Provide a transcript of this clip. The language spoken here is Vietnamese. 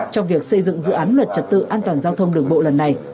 trong việc xây dựng dự án luật trật tự an toàn giao thông đường bộ lần này